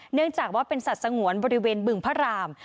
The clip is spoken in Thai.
เนื่องจากว่าเป็นสัตว์สงวนบริเวณบึงพระราม